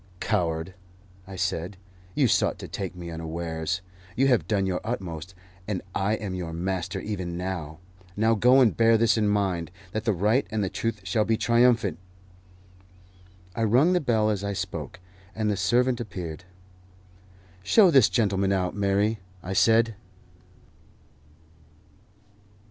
"Coward," I said, "you sought to take me unawares. You have done your utmost, and I am your master, even now. Now go, and bear this in mind, that the right and the truth shall be triumphant." I rung the bell as I spoke, and the servant appeared. "Show this gentleman out, Mary," I said.